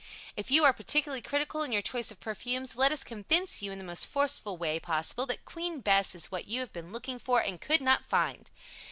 If you are particularly critical in your choice of perfumes, let us convince you in the most forceful way possible that "Queen Bess" is what you have been looking for and could not find.